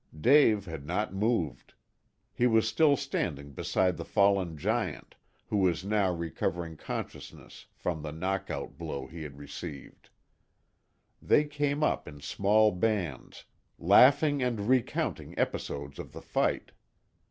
Dave had not moved. He was still standing beside the fallen giant, who was now recovering consciousness from the knock out blow he had received. They came up in small bands, laughing and recounting episodes of the fight.